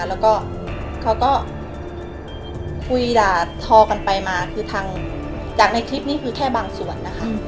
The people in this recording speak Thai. แล้วก็เขาก็คุยด่าทอกันไปมาคือทางจากในคลิปนี้คือแค่บางส่วนนะคะ